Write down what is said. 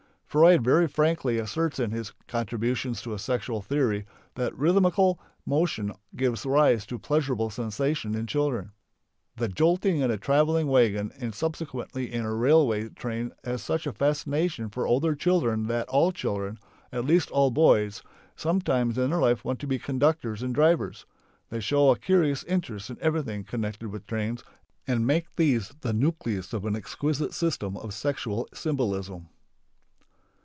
Freud very frankly asserts in his "Contributions to a sexual theory" that rhythmical motion gives rise to pleasurable sensations in children. "The jolting in a travelling wagon and subsequently in a railway train has such a fascination for older children that all children, at least all boys, sometimes in their life want to be conductors and drivers. They show a curious interest in everything connected with trains and make these the nucleus of an exquisite system of sexual symbolism."